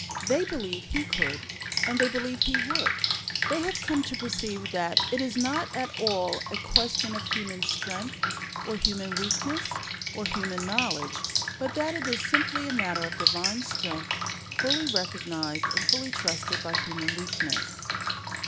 They believe He could, and they believe He would. They have come to perceive that it is not at all a question of human strength, or human weakness, or human knowledge, but that it is simply a matter of Divine strength, fully recognized and fully trusted by human weakness.